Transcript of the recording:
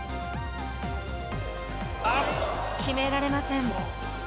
決められません。